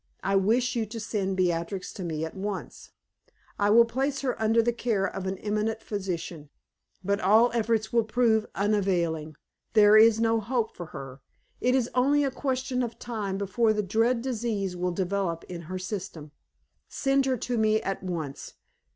I wish you to send Beatrix to me at once; I would place her under the care of an eminent physician, but all efforts will prove unavailing; there is no hope for her; it is only a question of time before the dread disease will develop in her system. Send her to me at once.